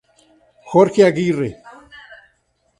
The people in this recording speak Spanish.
Jorge Aguirre